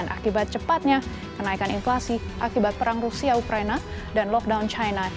akibat cepatnya kenaikan inflasi akibat perang rusia ukraina dan lockdown china